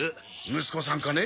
息子さんかね？